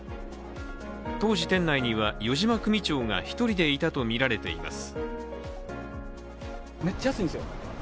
当時、店内には余嶋組長が１人でいたとみられています。